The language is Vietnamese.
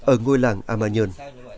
ở ngôi làng a ma nhiên